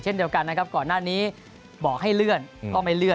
เช่นเดียวกันนะครับก่อนหน้านี้บอกให้เลื่อนก็ไม่เลื่อน